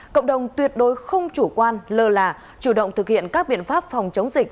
cộng đồng tuyệt đối không chủ quan lờ lạ chủ động thực hiện các biện pháp phòng chống dịch